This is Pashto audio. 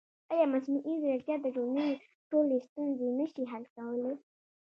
ایا مصنوعي ځیرکتیا د ټولنې ټولې ستونزې نه شي حل کولی؟